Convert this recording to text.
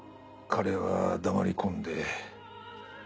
彼は黙り込んで。